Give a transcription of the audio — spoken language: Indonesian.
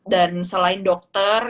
dan selain dokter